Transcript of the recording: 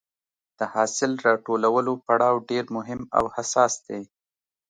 د حاصل راټولولو پړاو ډېر مهم او حساس دی.